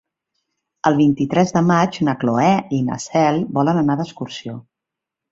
El vint-i-tres de maig na Cloè i na Cel volen anar d'excursió.